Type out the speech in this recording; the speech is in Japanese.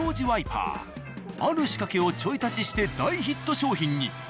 ワイパーある仕掛けをちょい足しして大ヒット商品に。